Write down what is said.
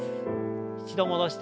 一度戻して。